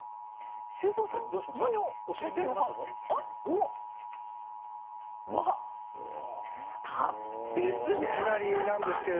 修造さん、何を書いてるのか。